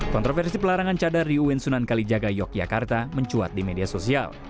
kontroversi pelarangan cadar di uin sunan kalijaga yogyakarta mencuat di media sosial